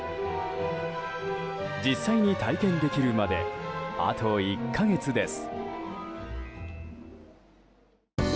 実際に体験できるまであと１か月です。